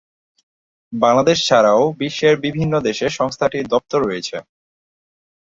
বাংলাদেশ ছাড়াও বিশ্বের বিভিন্ন দেশে সংস্থাটির দপ্তর রয়েছে।